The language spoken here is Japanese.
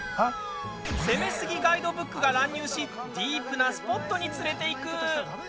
「攻めすぎガイドブック」が乱入しディープなスポットに連れて行く。